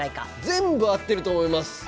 全部合ってると思います。